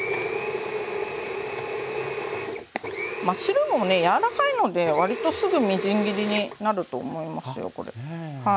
マッシュルームもね柔らかいので割とすぐみじん切りになると思いますよこれ。